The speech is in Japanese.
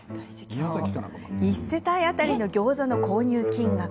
１世帯当たりのギョーザの購入金額。